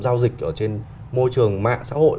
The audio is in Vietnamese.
giao dịch ở trên môi trường mạng xã hội